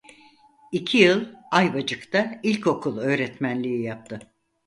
İki yıl Ayvacık'ta ilkokul öğretmenliği yaptı.